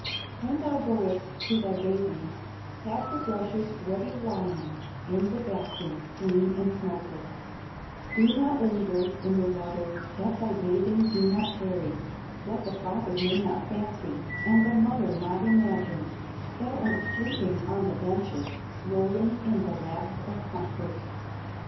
"When thou goest to thy bathing, Have the brushes ready lying In the bath room clean and smokeless; Do not, linger in the water, At thy bathing do not tarry, That the father may not fancy, And the mother not imagine, Thou art sleeping on the benches, Rolling in the laps of comfort.